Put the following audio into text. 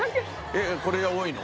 えっこれで多いの？